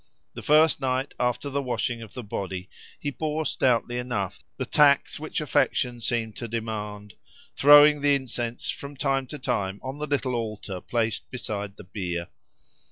The first night after the washing of the body, he bore stoutly enough the tax which affection seemed to demand, throwing the incense from time to time on the little altar placed beside the bier.